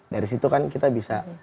dari situ kan kita bisa